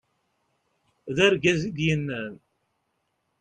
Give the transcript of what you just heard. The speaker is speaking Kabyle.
d argaz i d-yennan